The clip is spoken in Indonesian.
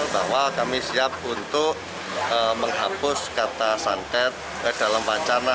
bahwa kami siap untuk menghapus kata santet dalam acara